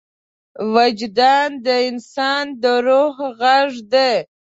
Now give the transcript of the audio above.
وجدان د انسان د روح غږ دی.